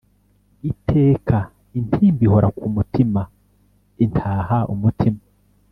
Iteka intimba ihora kumutima Intaha umutima